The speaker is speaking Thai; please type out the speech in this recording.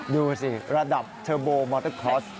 ดูสิระดับเทอร์โบมอเตอร์คลอส